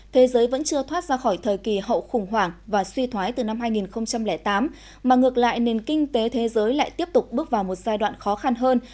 thế giới vẫn chưa thoát ra khỏi thời kỳ hậu khủng hoảng và suy thoái từ năm hai nghìn tám mà ngược lại nền kinh tế thế giới lại tiếp tục bước vào một giai đoạn khó khăn hơn